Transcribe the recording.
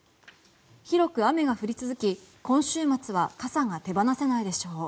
広く雨が降り続き、今週末は傘が手放せないでしょう。